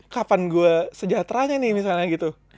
kapan gue sejahteranya nih misalnya gitu